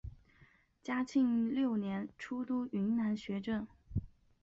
嘉庆六年出督云南学政。